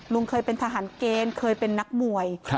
ลุงเคยเป็นทหารเกณฑ์เคยเป็นนักมวย